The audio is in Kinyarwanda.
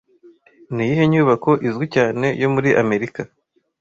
Niyihe nyubako izwi cyane yo muri Amerika